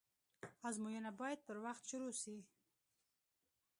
آزموينه بايد پر وخت شروع سي.